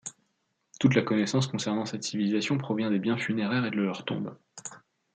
Toute la connaissance concernant cette civilisation provient des biens funéraires et de leurs tombes.